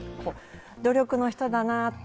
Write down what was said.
努力の人だなって。